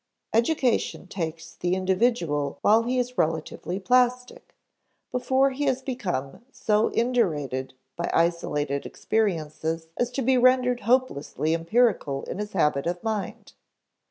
Education takes the individual while he is relatively plastic, before he has become so indurated by isolated experiences as to be rendered hopelessly empirical in his habit of mind.